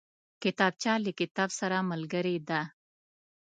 کتابچه له کتاب سره ملګرې ده